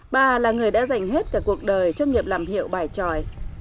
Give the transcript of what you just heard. bà là người đã dành hết cả cuộc đời cho nghiệp làm hiệu bài tròi